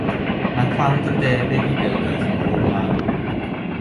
Mae plant yn debyg i'w gilydd ym mhob man.